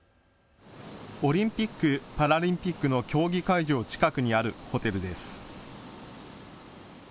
オリンピック・パラリンピックの競技会場近くにあるホテルです。